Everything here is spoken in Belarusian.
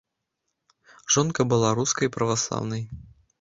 Жонка была рускай і праваслаўнай.